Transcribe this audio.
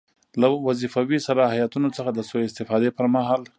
له وظیفوي صلاحیتونو څخه د سوء استفادې پر مهال.